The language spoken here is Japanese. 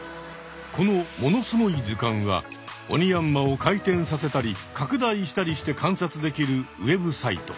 この「ものすごい図鑑」はオニヤンマを回転させたり拡大したりして観察できるウェブサイト。